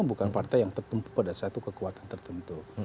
bukan partai yang tertumpu pada satu kekuatan tertentu